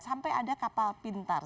sampai ada kapal pintar